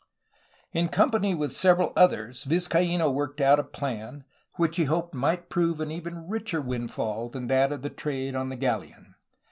In company with several others Vizcaino worked out a plan which he hoped might prove an even richer windfall than that of the trade on the galleon.